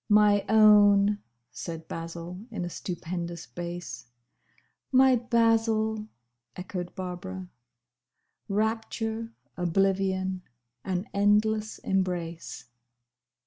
"My own!" said Basil, in a stupendous bass. "My Basil!" echoed Barbara. Rapture. Oblivion. An endless embrace.